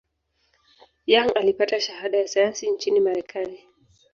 Young alipata shahada ya sayansi nchini Marekani.